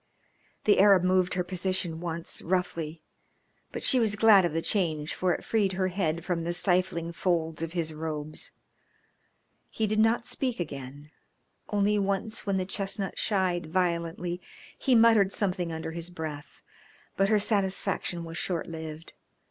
The Arab moved her position once, roughly, but she was glad of the change for it freed her head from the stifling folds of his robes. He did not speak again only once when the chestnut shied violently he muttered something under his breath. But her satisfaction was short lived.